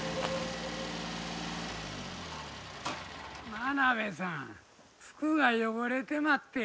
真鍋さん服が汚れてまって。